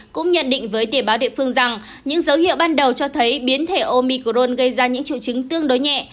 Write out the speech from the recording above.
cũng nhận định với tiểu báo địa phương rằng những dấu hiệu ban đầu cho thấy biến thể omicron gây ra những triệu chứng tương đối nhẹ